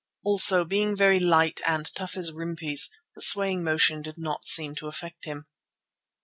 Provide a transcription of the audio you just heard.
Also, being very light and tough as rimpis, the swaying motion did not seem to affect him.